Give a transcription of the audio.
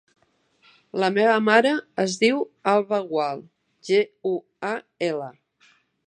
La meva mare es diu Alba Gual: ge, u, a, ela.